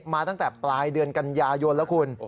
มาตั้งแต่ปลายเดือนกันยายนแล้วคุณ